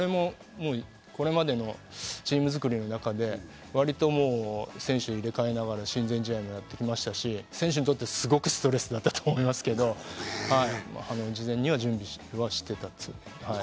これまでのチーム作りの中で、割と選手を入れ替えながら親善試合もやってきましたし、選手にとってすごくストレスだったとは思いますけど、事前には準備はしてたつもりです。